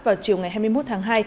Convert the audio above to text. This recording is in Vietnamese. vào chiều ngày hai mươi một tháng hai